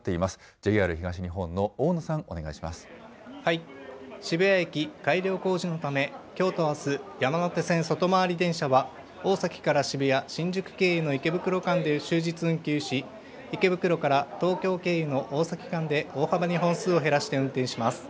ＪＲ東日本の大野さん、お願いし渋谷駅改良工事のため、きょうとあす、山手線外回り電車は、大崎から渋谷、新宿経由の池袋間で終日運休し、池袋から東京経由の大崎間で大幅に本数を減らして運転します。